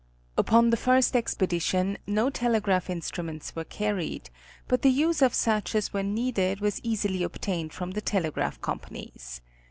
Upon the first expedition, no telegraph instruments were car ried, but the use of such as were needed was easily obtained from the telegraph companies.